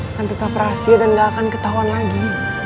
akan tetap rahasia dan gak akan ketahuan lagi